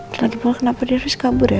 apalagi pol kenapa dia harus kabur ya